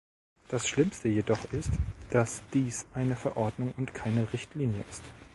Das Schlimmste jedoch ist, dass dies eine Verordnung und keine Richtlinie ist.